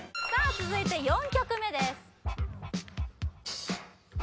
続いて４曲目です・え